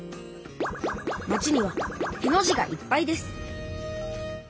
町にはへの字がいっぱいです。